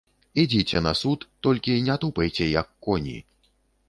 Ідзіце на суд, толькі не тупайце, як коні.